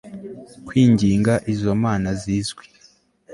kwinginga izo mana zizwi